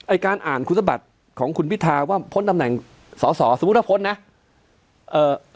การอ่านคุณสมบัติของคุณพิทาว่าพ้นตำแหน่งสอสอสมมุติว่าพ้นนะเอ่อ